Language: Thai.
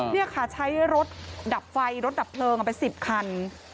นี่ค่ะใช้รถดับไฟรถดับเพลิงเป็น๑๐คัน